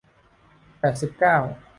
แปดสิบเก้า